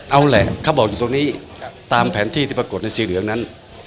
เอาแหละเขาบอกอยู่ตรงนี้ตามแผนที่ที่ปรากฏในสีเหลืองนั้น